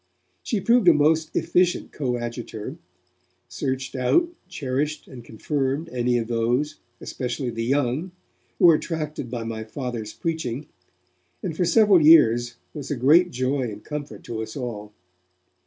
She proved a most efficient coadjutor; searched out, cherished and confirmed any of those, especially the young, who were attracted by my Father's preaching, and for several years was a great joy and comfort to us all.